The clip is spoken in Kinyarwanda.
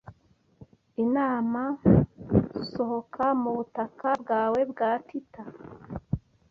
INAMA-sohoka mu butaka bwawe bwa Tita